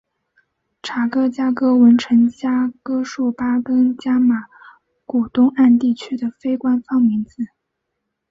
查哥加哥文程加哥术巴根加马古东岸地区的非官方名字。